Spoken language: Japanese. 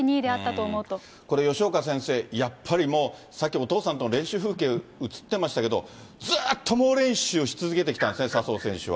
これ、吉岡先生、やっぱりもう、さっきお父さんとの練習風景映ってましたけど、ずっと猛練習し続けてきたんですね、笹生選手は。